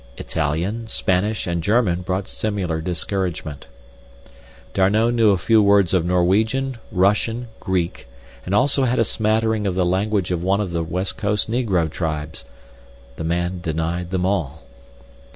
Italian, Spanish and German brought similar discouragement. D'Arnot knew a few words of Norwegian, Russian, Greek, and also had a smattering of the language of one of the West Coast negro tribes—the man denied them all.